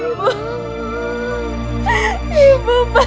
tenanin ibu dia betul betul benar